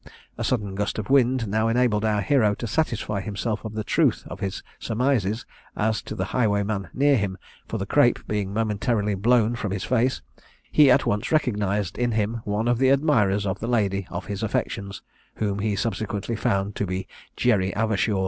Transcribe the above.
A sudden gust of wind now enabled our hero to satisfy himself of the truth of his surmises as to the highwayman near him, for the crape being momentarily blown from his face, he at once recognised in him one of the admirers of the lady of his affections, whom he subsequently found to be Jerry Avershaw.